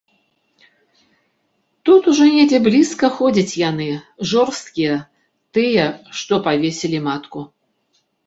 Тут ужо недзе блізка ходзяць яны, жорсткія, тыя, што павесілі матку.